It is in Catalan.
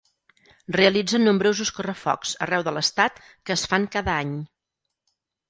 Realitzen nombrosos Correfocs arreu de l'Estat que es fan cada any.